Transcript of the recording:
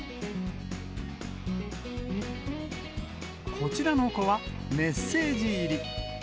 こちらの子は、メッセージ入り。